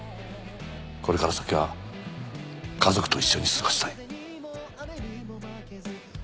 これから先は家族と一緒に過ごしたい。